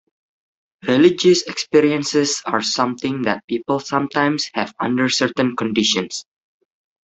Religious experiences are something that people sometimes have under certain conditions.